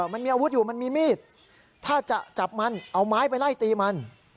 มันมีอาวุธอยู่มันมีมีดถ้าจะจับมันเอาไม้ไปไล่ตีมัน